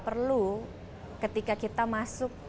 perlu ketika kita masuk